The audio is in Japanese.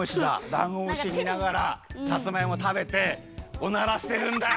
ダンゴムシみながらさつまいもたべておならしてるんだ！